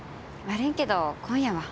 悪いけど今夜は。